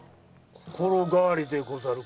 心変わりでござるか？